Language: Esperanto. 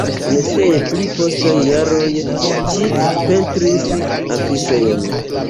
En siaj pli postaj jaroj, ŝi pentris afiŝojn.